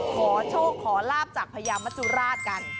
ขอโชคขอลาบจากพญามจุราชกัน